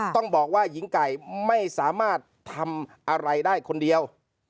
ต้องบอกว่าหญิงไก่ไม่สามารถทำอะไรได้คนเดียว